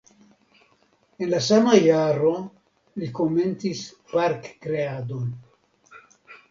En la sama jaro li komencis parkkreadon.